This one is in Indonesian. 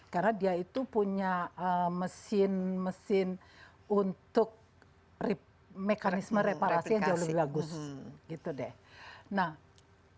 karena dia itu punya mesin mesin untuk mekanisme reparasi yang jauh lebih bagus